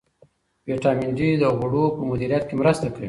ویټامین ډي د غوړو په مدیریت کې مرسته کوي.